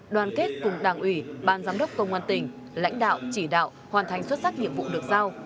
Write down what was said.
đoàn kết cùng đảng ủy ban giám đốc công an tỉnh lãnh đạo chỉ đạo hoàn thành xuất sắc nhiệm vụ được giao